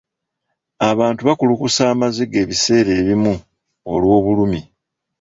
Abantu bakulukusa amaziga ebiseera ebimu olw'obulumi.